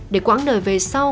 để quãng đời về sau